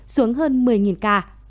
xuống hơn một mươi ca